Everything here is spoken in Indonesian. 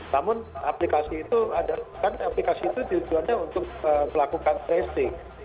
namun aplikasi itu ada kan aplikasi itu tujuannya untuk melakukan tracing